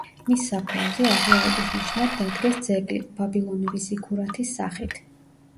მის საფლავზე, აღიარების ნიშნად დადგეს ძეგლი, ბაბილონური ზიქურათის სახით.